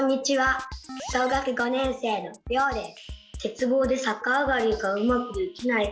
小学５年生のりょうです。